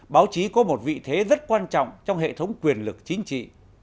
báo chí có một vị thế rất quan trọng trong hệ thống quyền lực chính trị